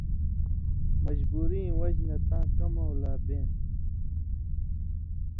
مجبُورِیں وجہۡ نہ تاں کمؤں لا بېں تھہ۔